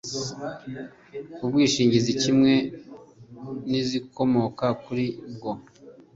ubwishingizi kimwe n izikomoka kuri bwo